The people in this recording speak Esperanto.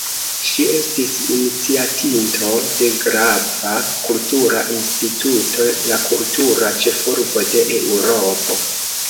Ŝi estis iniciatinto de grava kultura instituto: la “Kultura ĉefurbo de Eŭropo”.